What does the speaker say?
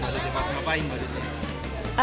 mas badutnya pas ngapain badutnya